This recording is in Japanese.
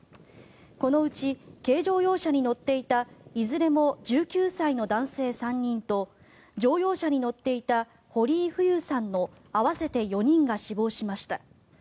このうち軽乗用車に乗っていたいずれも１９歳の男性３人と乗用車に乗っていた堀井フユさんの合わせて４人が死亡しました。